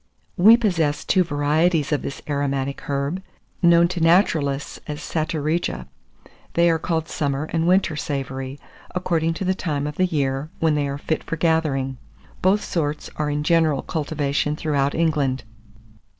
We possess two varieties of this aromatic herb, known to naturalists as Satureja. They are called summer and winter savory, according to the time of the year when they are fit for gathering. Both sorts are in general cultivation throughout England.